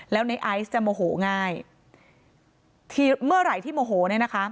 แล้วในไอซ์จะโมโหง่ายทีเมื่อไหร่ที่โมโหเนี่ยนะคะ